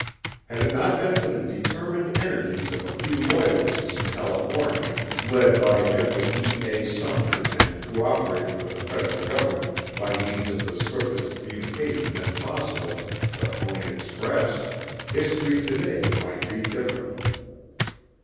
Had it not been for the determined energies of a few loyalists in California, led by General E. A. Sumner and cooperating with the Federal Government by means of the swiftest communication then possible the Pony Express history today, might read differently.